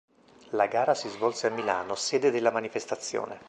La gara si svolse a Milano, sede della manifestazione.